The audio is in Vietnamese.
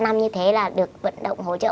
năm như thế là được vận động hỗ trợ